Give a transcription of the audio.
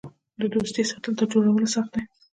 د دوستۍ ساتل تر جوړولو سخت دي.